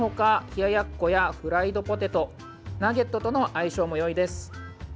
冷ややっこやフライドポテト、ナゲットとの相性もよいです。